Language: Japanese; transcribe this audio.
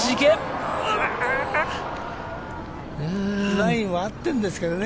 ラインは合ってるんですけどね。